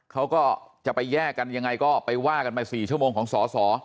เค้าก็จะไปแยกกันยังไงก็ไปว่ากันไป๔ชมของสส